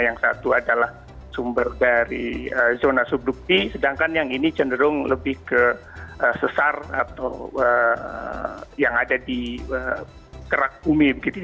yang satu adalah sumber dari zona subdukti sedangkan yang ini cenderung lebih ke sesar atau yang ada di kerak bumi